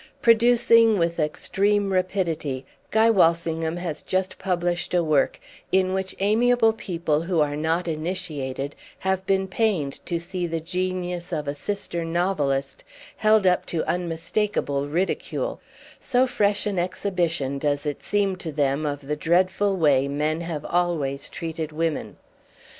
Producing with extreme rapidity, Guy Walsingham has just published a work in which amiable people who are not initiated have been pained to see the genius of a sister novelist held up to unmistakeable ridicule; so fresh an exhibition does it seem to them of the dreadful way men have always treated women.